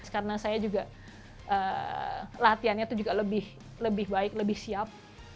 karena saya juga latihannya itu juga lebih baik lebih siap